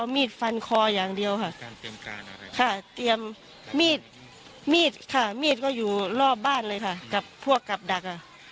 มีดค่ะมีดก็อยู่รอบบ้านเลยค่ะกับพวกกับดัก